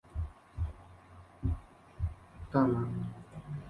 La ornamentación se concentra en las molduras de las ventanas.